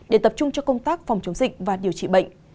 để tập trung cho công tác phòng chống dịch và điều trị bệnh